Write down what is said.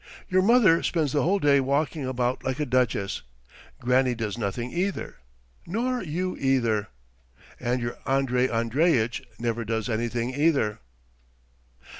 Your mother spends the whole day walking about like a duchess, Granny does nothing either, nor you either. And your Andrey Andreitch never does anything either."